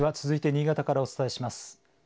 続いて新潟からお伝えします。